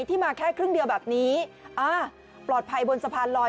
มาแค่ครึ่งเดียวแบบนี้อ่าปลอดภัยบนสะพานลอย